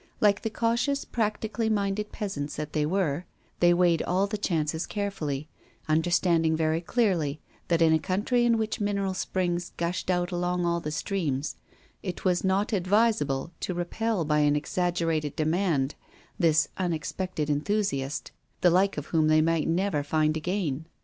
Like the cautious, practically minded peasants that they were, they weighed all the chances carefully, understanding very clearly that in a country in which mineral springs gushed out along all the streams, it was not advisable to repel by an exaggerated demand this unexpected enthusiast, the like of whom they might never find again.